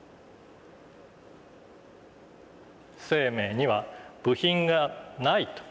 生命には部品がないと。